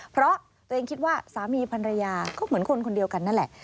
เพราะตัวเองคิดว่าสามีพันรยาก็เหมือนคนคนเดียวกันนั่นแหละ